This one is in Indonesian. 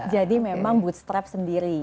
jadi memang bootstrap sendiri